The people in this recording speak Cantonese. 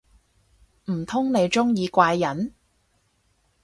唔通你鍾意怪人